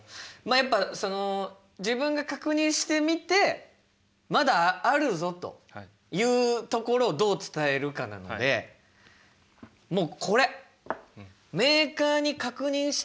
あやっぱ自分が確認してみてまだあるぞというところをどう伝えるかなのでもうこれ！